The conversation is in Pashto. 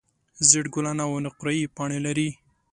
زېړ ګلان او نقریي پاڼې لري.